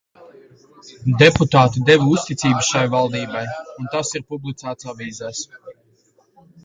Deputāti deva uzticību šai valdībai, un tas ir publicēts avīzēs.